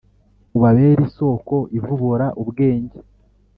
Ubabere isoko ivubura ubwenge,